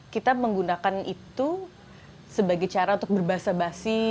kita menggunakan itu sebagai cara untuk berbasa basi